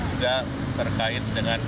juga terkait dengan